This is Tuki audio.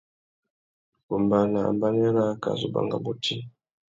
Wombāna ambanê râā ka zu banga bôti.